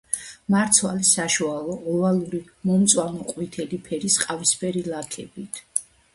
მარცვალი საშუალო, ოვალური მომწვანო-ყვითელი ფერის ყავისფერი ლაქებით.